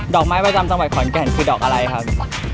อกไม้ประจำจังหวัดขอนแก่นคือดอกอะไรครับ